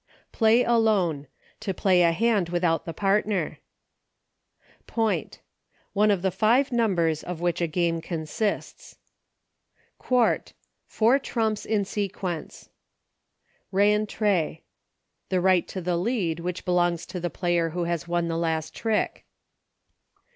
Play Alone. To play a hand without the partner. TECHNICALITIES. 85 Point. One of the five numbers of which a game consists. Quakt. Four trumps in sequence. Eentree. The right to the lead which be longs to the player who has won the last trick.